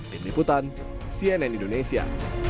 tim liputan cnn indonesia